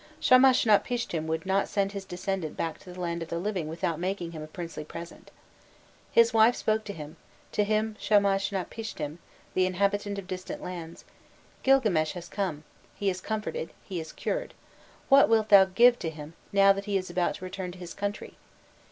Shamashnapishtim would not send his descendant back to the land of the living without making him a princely present. "His wife spoke to him, to him Shamashnapishtim, the inhabitant of distant lands: 'Gilgames has come, he is comforted, he is cured; what wilt thou give to him, now that he is about to return to his country?